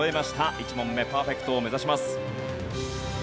１問目パーフェクトを目指します。